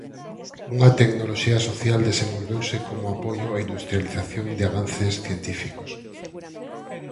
Unha Tecnoloxía social desenvolveuse como apoio e industrialización de avances científicos.